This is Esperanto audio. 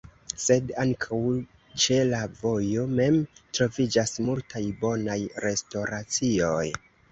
Sed ankaŭ ĉe la vojo mem troviĝas multaj bonaj restoracioj.